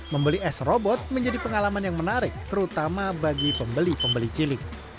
membeli s robot menjadi pengalaman yang menarik terutama bagi pembeli pembeli cilik